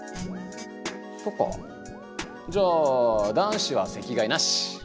じゃあ男子は席替えなし！